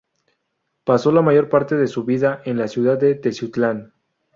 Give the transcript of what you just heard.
Pasó la mayor parte de su vida en la ciudad de Teziutlán.